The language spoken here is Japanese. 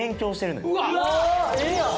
ええやん！